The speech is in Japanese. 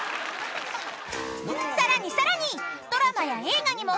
［さらにさらに］